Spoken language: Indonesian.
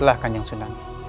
baiklah kan jangsunan